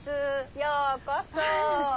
ようこそ。